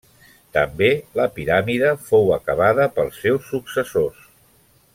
També la piràmide fou acabada pels seus successors.